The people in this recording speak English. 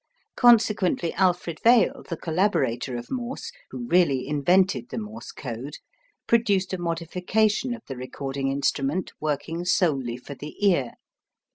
Consequently Alfred Vail, the collaborator of Morse, who really invented the Morse code, produced a modification of the recording instrument working solely for the ear.